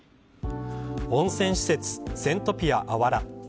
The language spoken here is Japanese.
温泉施設セントピアあわら。